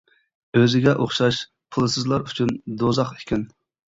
ئۆزىگە ئوخشاش پۇلسىزلار ئۈچۈن دوزاخ ئىكەن.